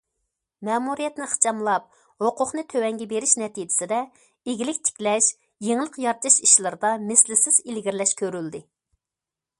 مەمۇرىيەتنى ئىخچاملاپ، ھوقۇقنى تۆۋەنگە بېرىش نەتىجىسىدە ئىگىلىك تىكلەش، يېڭىلىق يارىتىش ئىشلىرىدا مىسلىسىز ئىلگىرىلەش كۆرۈلدى.